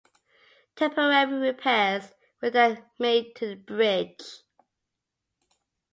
Temporary repairs were then made to the bridge.